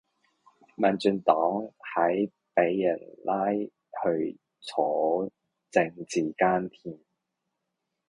民進黨係俾人拉去坐政治監添